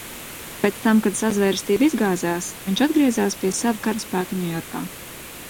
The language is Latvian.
Pēc tam, kad sazvērestība izgāzās, viņš atgriezās pie sava karaspēka Ņujorkā.